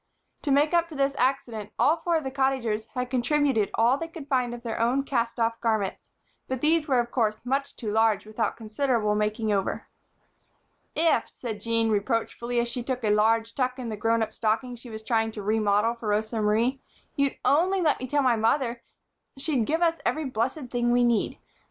To make up for this accident, all four of the Cottagers had contributed all they could find of their own cast off garments; but these of course were much too large without considerable making over. "If," said Jean, reproachfully, as she took a large tuck in the grown up stocking that she was trying to re model for Rosa Marie, "you'd only let me tell my mother, she'd give us every blessed thing we need.